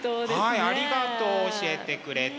はいありがとう。教えてくれて。